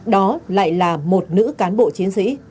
đó lại là một nữ cán bộ chiến sĩ